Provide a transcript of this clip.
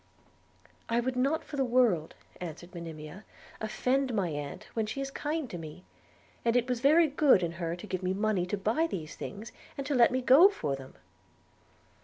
'I would not for the world,' answered Monimia, 'offend my aunt when she is kind to me; and it was very good in her to give me money to buy these things, and to let me go for them.'